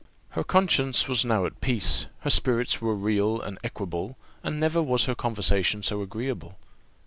Her conscience was now at peace; her spirits were real and equable, and never was her conversation so agreeable.